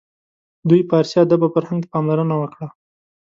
دوی فارسي ادب او فرهنګ ته پاملرنه وکړه.